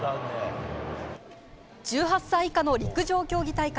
１８歳以下の陸上競技大会。